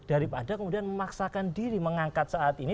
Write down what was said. daripada kemudian memaksakan diri mengangkat saat ini